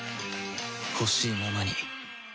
ほしいままに